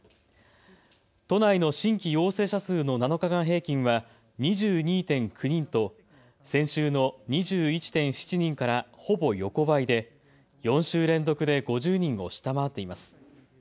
都内の新規陽性者数の７日間平均は２２．９人と先週の２１．７人からほぼ横ばいで４週連続で５０人を下回っています。